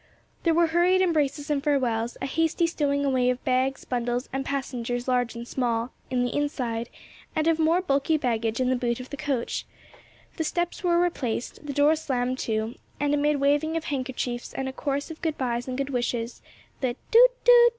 There were hurried embraces and farewells, a hasty stowing away of bags, bundles, and passengers large and small, in the inside, and of more bulky baggage in the boot of the coach, the steps were replaced, the door slammed to, and amid waving of handkerchiefs and a chorus of good byes and good wishes, the "toot, toot!"